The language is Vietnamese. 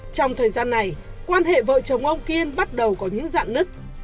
trong thời gian này quan hệ vợ chồng ông kiên bắt đầu có những dạn nứt